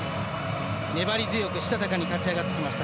粘り強くしたたかに勝ち上がってきました。